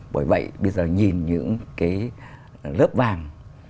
bởi vậy bây giờ nhìn những cái lớp vàng